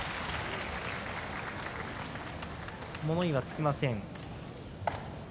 物言いはつきません。